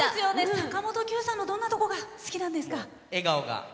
坂本九さんのどんなところが好きなんですか？